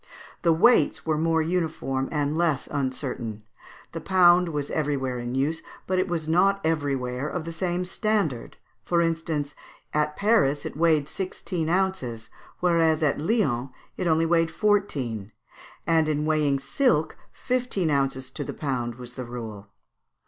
The weights were more uniform and less uncertain. The pound was everywhere in use, but it was not everywhere of the same standard (Fig. 201). For instance, at Paris it weighed sixteen ounces, whereas at Lyons it only weighed fourteen; and in weighing silk fifteen ounces to the pound was the rule.